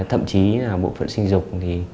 thậm chí bộ phận sinh dục